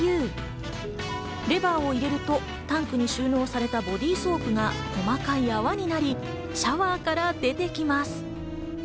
レバーを入れると、タンクに収納されたボディソープが細かい泡になりシャワーから出てきます。